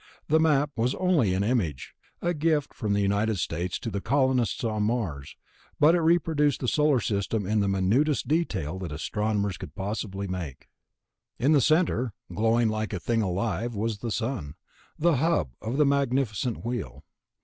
The Map was only an image, a gift from the United Nations to the colonists on Mars, but it reproduced the Solar System in the minutest detail that astronomers could make possible. In the center, glowing like a thing alive, was the Sun, the hub of the magnificent wheel.